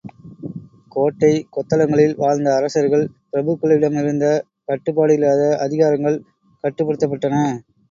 கோட்டை, கொத்தளங்களில் வாழ்ந்த அரசர்கள் பிரபுக்களிடமிருந்த கட்டுப்பாடில்லாத அதிகாரங்கள் கட்டுப்படுத்தப்பட்டன.